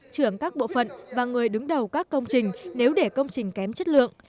trưởng các bộ phận và người đứng đầu các công trình nếu để công trình kém chất lượng